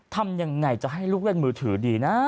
ทำยังไงจะให้ลูกเล่นมือถือดีนะ